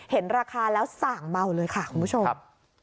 เห็นราคาแล้วสั่งเมาเลยค่ะคุณผู้ชม